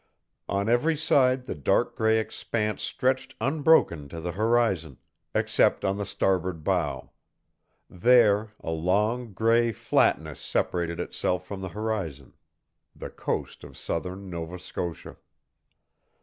On every side the dark gray expanse stretched unbroken to the horizon, except on the starboard bow. There a long, gray flatness separated itself from the horizon the coast of southern Nova Scotia.